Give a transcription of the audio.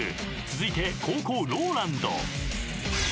［続いて後攻ＲＯＬＡＮＤ］